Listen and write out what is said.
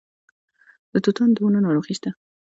د توتانو د ونو ناروغي شته؟